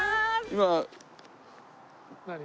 今。